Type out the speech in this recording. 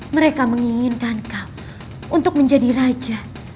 mereka menginginkan kau untuk menjadi raja